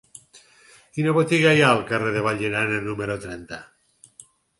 Quina botiga hi ha al carrer de Vallirana número trenta?